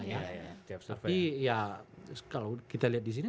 tapi ya kalau kita lihat disini